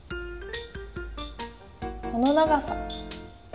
この長さ。